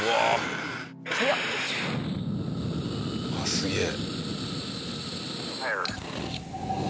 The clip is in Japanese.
すげえ！